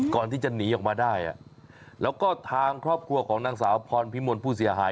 ก่อนที่จะหนีออกมาได้แล้วก็ทางครอบครัวของนางสาวพรพิมลผู้เสียหาย